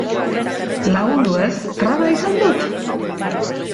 Lagundu ez, traba izan dut?